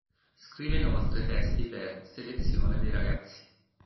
Scrive inoltre testi per "Selezione dei ragazzi".